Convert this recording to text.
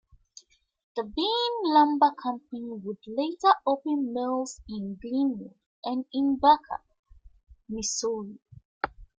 The Bean Lumber Company would later open mills in Glenwood and in Buckner, Missouri.